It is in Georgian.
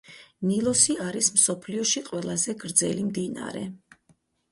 ნილოსი არის მსოფლიოში ყველაზე გრძელი მდინარე.